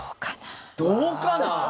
「どうかな」？